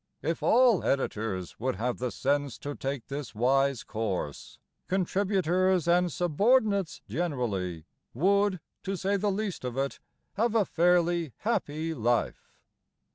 If all editors would have the sense To take this wise course, Contributors and subordinates, generally, Would, to say the least of it, Have a fairly happy life.